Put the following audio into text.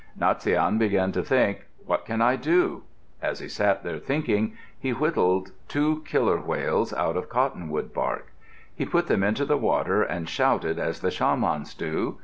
Natsiane began to think, "What can I do?" As he sat there thinking, he whittled two killer whales out of cottonwood bark. He put them into the water and shouted as the shamans do.